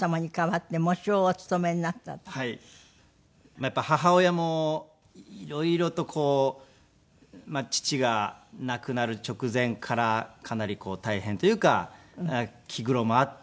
まあやっぱり母親も色々とこう父が亡くなる直前からかなり大変というか気苦労もあって。